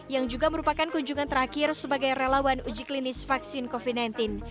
yang juga merupakan kunjungan terakhir sebagai relawan uji klinis vaksin covid sembilan belas